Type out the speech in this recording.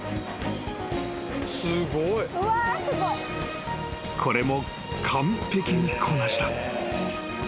［これも完璧にこなした］